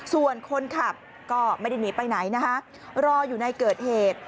ส่วนคนขับก็ไม่ได้หนีไปไหนนะคะรออยู่ในเกิดเหตุ